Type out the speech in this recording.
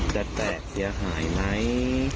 จะแตกเสียหายไหม